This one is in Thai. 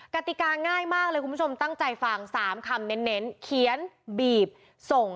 กติกาง่ายมากเลยคุณผู้ชมตั้งใจฟัง๓คำเน้นเขียนบีบส่ง